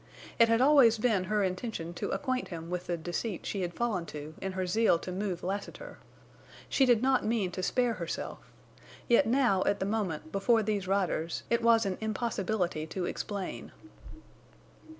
It had always been her intention to acquaint him with the deceit she had fallen to in her zeal to move Lassiter. She did not mean to spare herself. Yet now, at the moment, before these riders, it was an impossibility to explain.